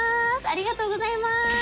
ありがとうございます。